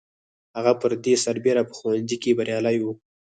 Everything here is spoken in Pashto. هغه پر دې سربېره په ښوونځي کې بریالی و